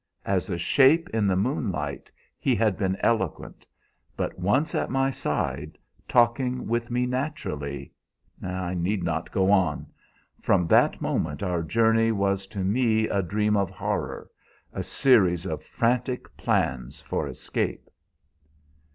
As a shape in the moonlight he had been eloquent, but once at my side, talking with me naturally I need not go on! From that moment our journey was to me a dream of horror, a series of frantic plans for escape.